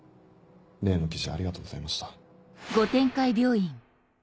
例の記事ありがとうございました。